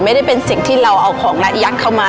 ไม่ได้เป็นสิ่งที่เราเอาของระยัดเข้ามา